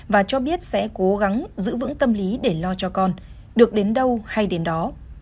và cho biết sẽ cố gắng giữ vững tâm lý để lo cho con được đến đâu hay đến đó